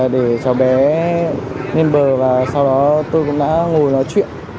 để cháu bé lên bờ và sau đó tôi cũng đã ngồi nói chuyện